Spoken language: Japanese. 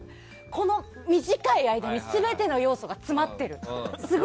この短い間に全ての要素が詰まってる。